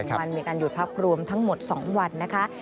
วันมีการหยุดพักรวมทั้งหมด๒วันนะคะ